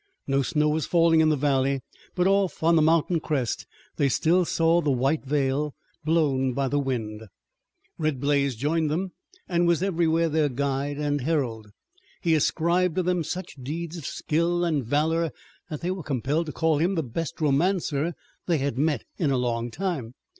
No snow was falling in the valley, but off on the mountain crest they still saw the white veil, blown by the wind. Red Blaze joined them and was everywhere their guide and herald. He ascribed to them such deeds of skill and valor that they were compelled to call him the best romancer they had met in a long time.